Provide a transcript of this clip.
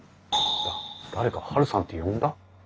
誰か「ハルさん」って呼んだ？